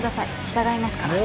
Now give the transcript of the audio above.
従いますから。